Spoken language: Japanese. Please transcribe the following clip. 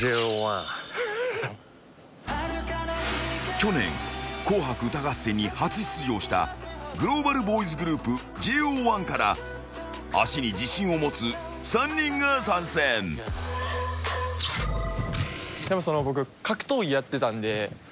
［去年『紅白歌合戦』に初出場したクローバルボーイズグループＪＯ１から足に自信を持つ３人が参戦］でも僕。